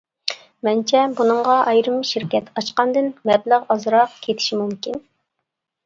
مەنچە بۇنىڭغا ئايرىم شىركەت ئاچقاندىن مەبلەغ ئازراق كېتىشى مۇمكىن.